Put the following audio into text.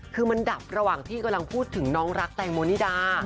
คือมันดับระหว่างที่กำลังพูดถึงน้องรักแตงโมนิดา